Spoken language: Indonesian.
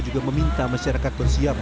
juga meminta masyarakat bersiap